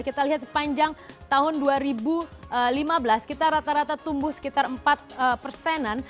kita lihat sepanjang tahun dua ribu lima belas kita rata rata tumbuh sekitar empat persenan